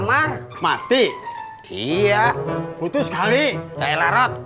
mereka sudah beristirahat